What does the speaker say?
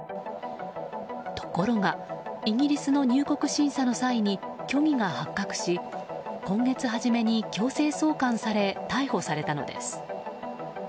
ところがイギリスの入国審査の際に虚偽が発覚し今月初めに強制送還され逮捕されたのです。